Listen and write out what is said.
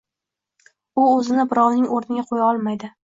U o‘zini birovning o‘rniga qo‘ya olmaydi